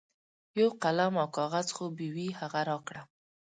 یو قلم او کاغذ خو به وي هغه راکړه.